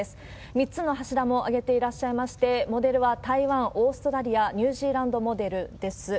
３つの柱も上げていらっしゃいまして、モデルは台湾、オーストラリア、ニュージーランドモデルです。